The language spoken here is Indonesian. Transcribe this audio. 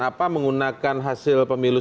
apa menggunakan hasil pemilu